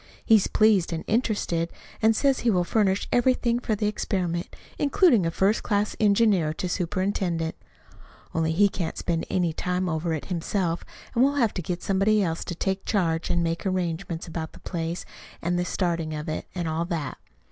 He's pleased and interested, and says he will furnish everything for the experiment, including a first class engineer to superintend; only he can't spend any time over it himself, and we'll have to get somebody else to take charge and make arrangements, about the place, and the starting of it, and all that.